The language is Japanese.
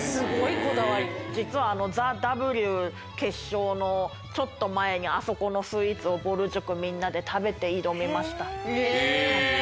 実は『ＴＨＥＷ』決勝のちょっと前にあそこのスイーツをぼる塾みんなで食べて挑みました。